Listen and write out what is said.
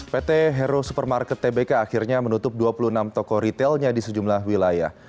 pt hero supermarket tbk akhirnya menutup dua puluh enam toko retailnya di sejumlah wilayah